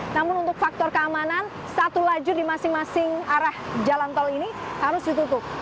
namun untuk faktor keamanan satu lajur di masing masing arah jalan tol ini harus ditutup